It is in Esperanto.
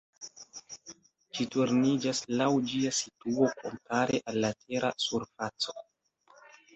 Ĝi turniĝas laŭ ĝia situo kompare al la Tera surfaco.